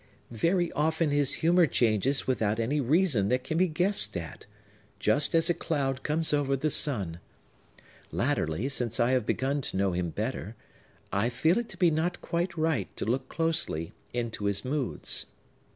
"Very often his humor changes without any reason that can be guessed at, just as a cloud comes over the sun. Latterly, since I have begun to know him better, I feel it to be not quite right to look closely into his moods.